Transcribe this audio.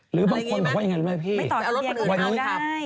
หรือบางคนบอกว่าอย่างไรหรือไม่พี่วันนี้ไม่ต่อทะเบียนต้องเอาได้